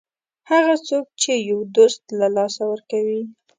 هغه څوک چې یو دوست له لاسه ورکوي.